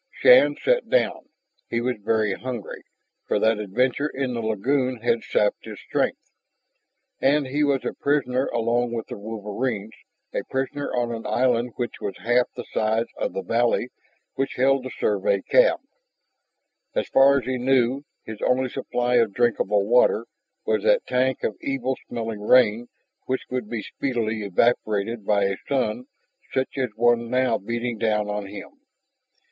Shann sat down. He was very hungry, for that adventure in the lagoon had sapped his strength. And he was a prisoner along with the wolverines, a prisoner on an island which was half the size of the valley which held the Survey camp. As far as he knew, his only supply of drinkable water was that tank of evil smelling rain which would be speedily evaporated by a sun such as the one now beating down on him.